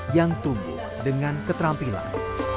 yang tumbuh dengan keterampilan